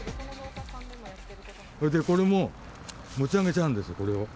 これもう、持ち上げちゃうんです、これを。